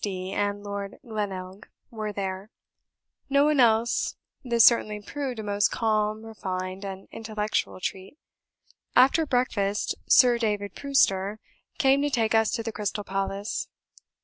D and Lord Glenelg were there; no one else:this certainly proved a most calm, refined, and intellectual treat. After breakfast, Sir David Brewster came to take us to the Crystal Palace.